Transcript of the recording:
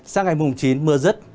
sang ngày mùng chín mưa rứt